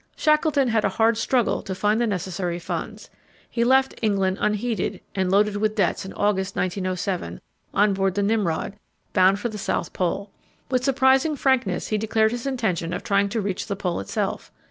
Shackleton had a hard struggle to find the necessary funds. He left England unheeded and loaded with debts in August, 1907, on board the Nimrod, bound for the South Pole. With surprising frankness he declared his intention of trying to reach the Pole itself.